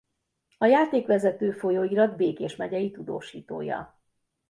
A Játékvezető folyóirat Békés megyei tudósítója.